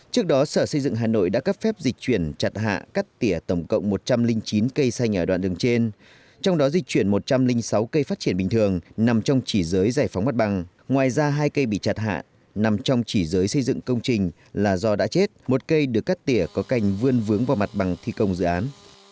trước đó sở xây dựng hà nội đã cấp phép dịch chuyển chặt hạ cắt tỉa tổng cộng một trăm linh chín cây xanh ở đoạn đường trên trong đó di chuyển một trăm linh sáu cây phát triển bình thường nằm trong chỉ giới giải phóng mặt bằng ngoài ra hai cây bị chặt hạ nằm trong chỉ giới xây dựng công trình là do đã chết một cây được cắt tỉa có cành vươn vướng vào mặt bằng thi công dự án